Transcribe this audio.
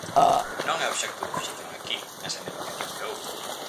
Non é obxecto de fixación aquí, nesa negociación que houbo.